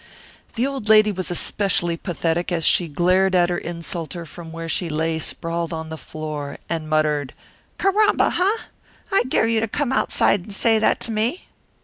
The old lady was especially pathetic as she glared at her insulter from where she lay sprawled on the floor, and muttered, "Carramba, huh? I dare you to come outside and say that to me!"